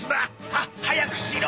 はっ早くしろ！